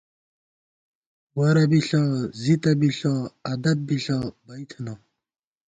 ورہ بی ݪہ زِتہ بی ݪہ ادب بی ݪہ بئی تھنہ